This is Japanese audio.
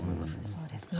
そうですね。